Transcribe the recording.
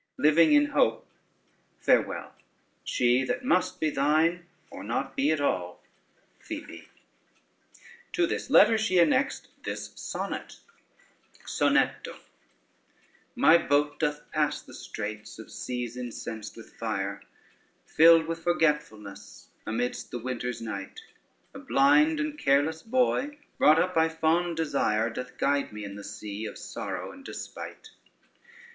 Living in hope. Farewell. She that must be thine, or not be at all, Phoebe." [Footnote 1: wrestles.] To this letter she annexed this sonnet: Sonetto My boat doth pass the straits of seas incensed with fire, Filled with forgetfulness; amidst the winter's night, A blind and careless boy, brought up by fond desire, Doth guide me in the sea of sorrow and despite.